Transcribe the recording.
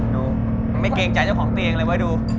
นูมันไม่เกรงใจเจ้าของตัวเองเลยเว้ยดู